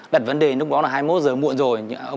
đặt vấn đề lúc đó là hai mươi một giờ muộn rồi